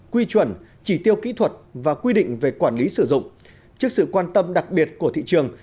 quy chuẩn chỉ tiêu kỹ thuật và quy định về quản lý sử dụng trước sự quan tâm đặc biệt của thị trường